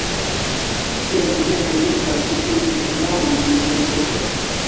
Kial vi ne remetas ĉi tiun monon en vian poŝon?